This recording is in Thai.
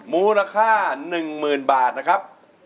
มูลค่า๑๐๐๐บาทนะครับ